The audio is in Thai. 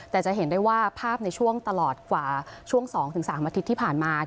แต่จะเห็นได้ว่าภาพในช่วงตลอดกว่าช่วง๒๓อาทิตย์ที่ผ่านมา